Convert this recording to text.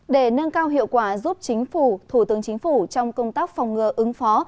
để nâng cao hiệu quả giúp chính phủ thủ tướng chính phủ trong công tác phòng ngừa ứng phó